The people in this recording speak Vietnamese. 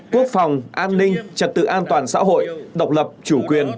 quốc phòng an ninh trật tự an toàn xã hội độc lập chủ quyền